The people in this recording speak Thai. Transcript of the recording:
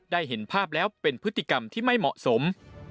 เห็นภาพแล้วเป็นพฤติกรรมที่ไม่เหมาะสม